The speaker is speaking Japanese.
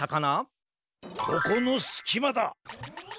ここのすきまだ！